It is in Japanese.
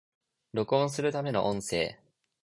録音するための音声